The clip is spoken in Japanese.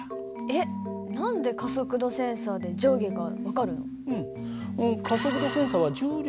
えっ何で加速度センサーで上下が分かるの？